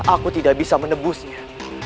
aku tidak bisa menebusnya